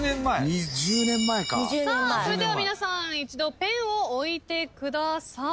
それでは皆さん一度ペンを置いてください。